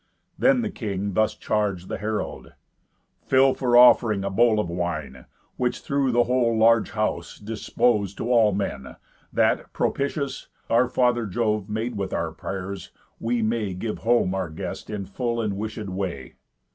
Then the king Thus charg'd the herald: "Fill for offering A bowl of wine; which through the whole large house Dispose to all men, that, propitious Our father Jove made with our pray'rs, we may Give home our guest in full and wishéd way."